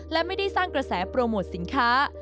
และไม่ได้สร้างกระแสโปรโมทสินค้า